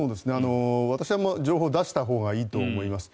私は情報は出したほうがいいと思います。